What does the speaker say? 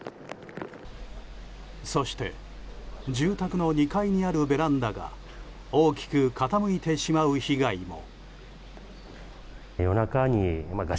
そして住宅の２階にあるベランダが大きく傾いてしまう被害も。